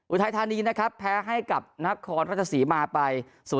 อุทัยธานีนะครับแพ้ให้กับนับคอนรัฐศรีมาไป๐๑